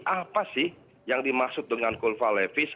apa sih yang dimaksud dengan kulfa levis